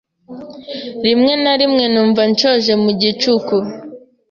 Rimwe na rimwe numva nshonje mu gicuku.